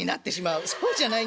そうじゃないんだけど。